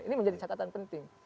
ini menjadi catatan penting